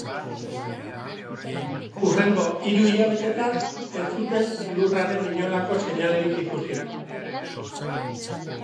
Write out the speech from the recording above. Hurrengo hiru hilabetetan ez zuten lurraren inolako seinalerik ikusi.